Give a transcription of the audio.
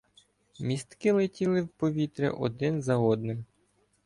Містки летіли в повітря один за одним.